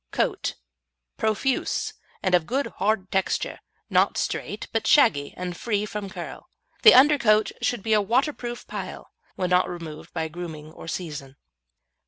COAT Profuse, and of good hard texture, not straight but shaggy and free from curl. The undercoat should be a waterproof pile, when not removed by grooming or season.